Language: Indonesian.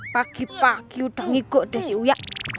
pagi pagi udah ngikutin si uya